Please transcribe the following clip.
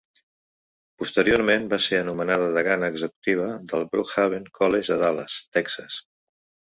Posteriorment va ser anomenada degana executiva del Brookhaven College a Dallas, Texas.